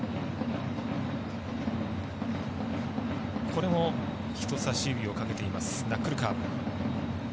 これも人さし指をかけているナックルカーブ。